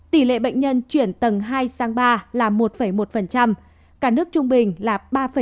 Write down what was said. tỷ lệ bệnh nhân chuyển tầng hai sang ba là một một cả nước trung bình là ba bốn